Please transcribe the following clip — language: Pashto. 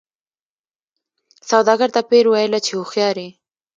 سوداګر ته پیر ویله چي هوښیار یې